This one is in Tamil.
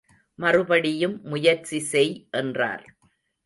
மறுபடியும் முயற்சி செய் என்றார்.